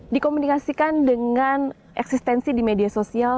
dikomunikasikan dengan eksistensi di media sosial